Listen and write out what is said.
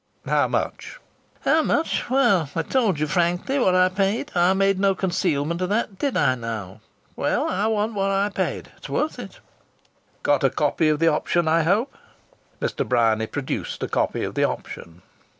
"How much?" "How much? Well, I told you frankly what I paid. I made no concealment of that, did I now? Well, I want what I paid. It's worth it!" "Got a copy of the option, I hope!" Mr. Bryany produced a copy of the option.